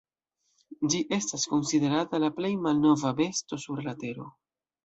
Ĝi estas konsiderata la plej malnova besto sur la Tero.